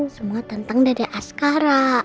semua tentang dada askara